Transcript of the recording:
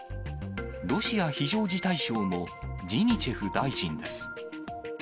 ロシア非常事態省のジニチェフ大臣です。